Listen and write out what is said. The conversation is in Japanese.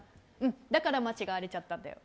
だから間違われちゃったんだよ。